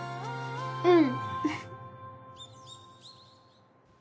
うん！